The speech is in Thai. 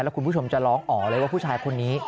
คุณผู้ชมจะร้องอ๋อเลยว่าผู้ชายคนนี้